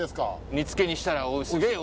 煮つけにしたらおいしい。